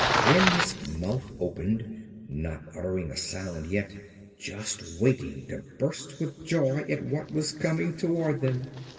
Then his mouth opened, not uttering a sound yet, just waiting to burst with joy at what was coming toward them.